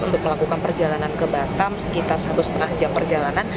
untuk melakukan perjalanan ke batam sekitar satu lima jam perjalanan